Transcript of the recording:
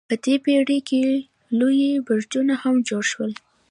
په دې پیړۍ کې لوی برجونه هم جوړ شول.